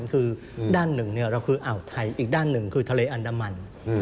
คือด้านหนึ่งเราคืออ่าวไทยอีกด้านหนึ่งคือทะเลอันดามัน